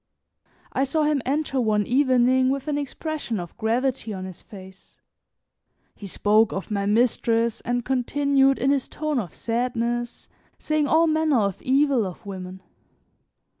I saw him enter one evening with an expression of gravity on his face; he spoke of my mistress and continued in his tone of sadness, saying all manner of evil of women.